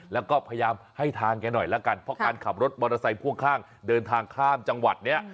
แล้วก็พยายามให้ทางแกหน่อยแล้วกันเพราะการขับรถมอเตอร์ไซค์พ่วงข้างเดินทางข้ามจังหวัดเนี่ย